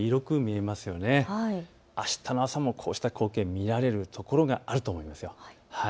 あしたの朝もこうした光景が見られるところがあると思います。